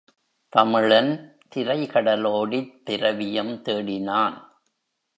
தமிழன் திரை கடலோடித் திரவியம் தேடினான்.